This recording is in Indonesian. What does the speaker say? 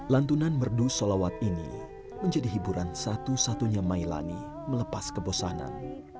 lantunan merdu solawat ini menjadi hiburan satu satunya mailani melepas kebosanan